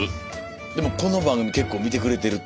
でもこの番組結構見てくれてると。